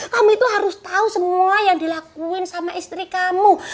kamu itu harus tahu semua yang dilakuin sama istri kamu